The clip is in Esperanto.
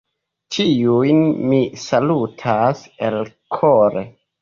Ĉiujn mi salutas elkore.